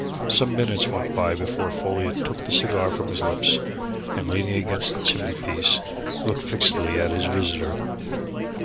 Some minutes went by before Folliot took the cigar from his lips and leaning against the chimneypiece looked fixedly at his visitor.